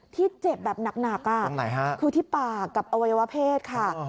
ที่เจ็บแบบหนักคือที่ปากกับอวัยวะเพศค่ะ